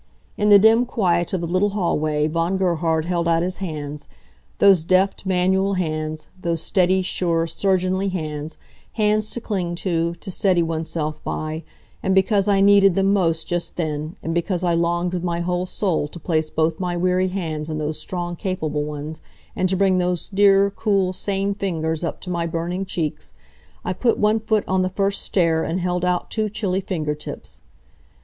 In the dim quiet of the little hallway Von Gerhard held out his hands those deft, manual hands those steady, sure, surgeonly hands hands to cling to, to steady oneself by, and because I needed them most just then, and because I longed with my whole soul to place both my weary hands in those strong capable ones and to bring those dear, cool, sane fingers up to my burning cheeks, I put one foot on the first stair and held out two chilly fingertips.